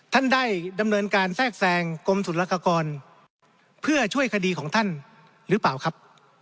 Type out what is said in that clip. ท่านได้ดำเนินการแทรกแซงกรมศุลกรเพื่อช่วยคดีของท่านหรือเปล่าครับ